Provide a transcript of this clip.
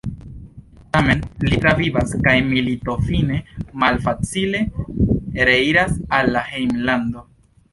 Tamen, li travivas kaj militofine malfacile reiras al la hejmlando.